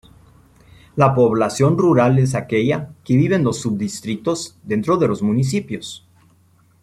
La población rural es aquella que vive en los sub-distritos dentro de los municipios.